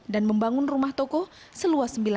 dan membangun rumah toko seluas sepuluh hektare